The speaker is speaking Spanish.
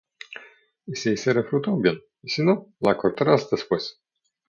Y si hiciere fruto, bien; y si no, la cortarás después.